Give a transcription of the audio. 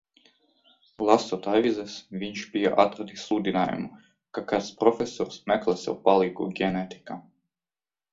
Lasot avīzes viņš bija atradis sludinājumu, ka kāds profesors meklē sev palīgu ģenētikā.